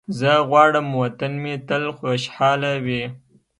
زه غواړم وطن مې تل خوشحاله وي.